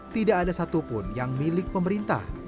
tidak ada satupun yang milik pemerintah